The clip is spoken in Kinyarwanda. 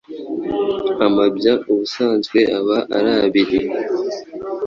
Amabya ubusanzwe aba ari abiri